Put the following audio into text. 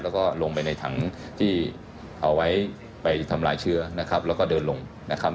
แล้วก็ลงไปในถังที่เอาไว้ไปทำลายเชื้อนะครับแล้วก็เดินลงนะครับ